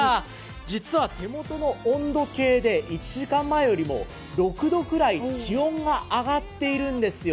実は手元の温度計で１時間前よりも６度くらい気温が上がっているんですよ。